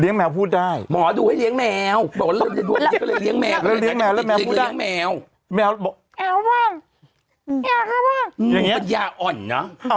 เลี้ยงแมวพูดได้หมอดูให้เลี้ยงแมวแมวแมวแมวแมวแมวแมวแมว